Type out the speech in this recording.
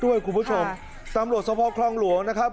ด้วยคุณผู้ชมตำรวจสภคลองหลวงนะครับ